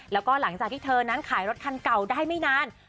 แล้วก็หลังจากที่เธอนั้นขายรถคันเก่าได้ไม่นาน